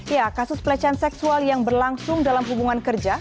ya kasus pelecehan seksual yang berlangsung dalam hubungan kerja